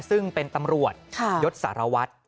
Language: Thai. ซึ่งเป็นตำรวจยศสารวัตร